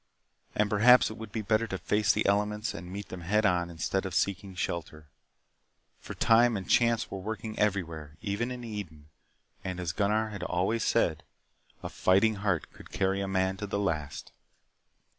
And perhaps it would be better to face the elements and meet them head on instead of seeking shelter. For time and chance were working everywhere even in Eden and as Gunnar had always said, a fighting heart could carry a man to the last.